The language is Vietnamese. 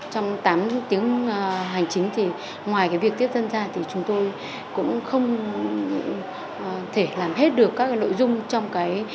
trong tám tiếng hành chính thì ngoài việc tiếp dân ra thì chúng tôi cũng không thể làm hết được các nội dung trong cái